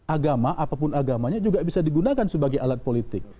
agama apapun agamanya juga bisa digunakan sebagai alat politik